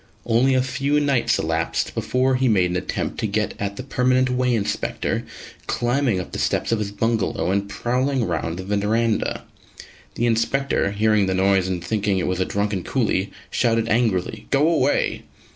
Only a few nights elapsed before he made an attempt to get at the Permanent Way Inspector, climbing up the steps of his bungalow and prowling round the verandah. The Inspector, hearing the noise and thinking it was a drunken coolie, shouted angrily "Go away!"